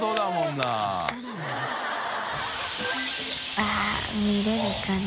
あぁ見れるかな？